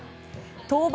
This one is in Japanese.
登板